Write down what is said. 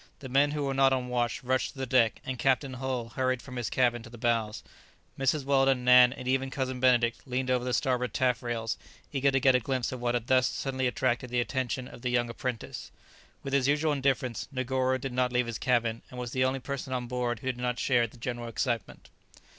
The men who were not on watch rushed to the deck, and Captain Hull hurried from his cabin to the bows. Mrs. Weldon, Nan, and even Cousin Benedict leaned over the starboard taffrails, eager to get a glimpse of what had thus suddenly attracted the attention of the young apprentice. With his usual indifference, Negoro did not leave his cabin, and was the only person on board who did not share the general excitement.